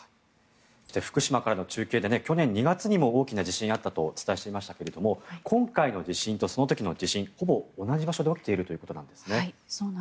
そして福島からの中継で去年２月にも大きな地震があったとお伝えしましたが今回の地震とその時の地震ほぼ同じ場所で起きているということなんですね。